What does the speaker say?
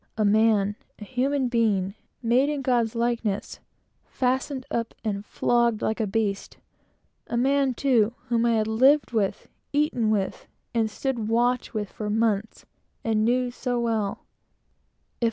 A man a human being, made in God's likeness fastened up and flogged like a beast! A man, too, whom I had lived with and eaten with for months, and knew almost as well as a brother.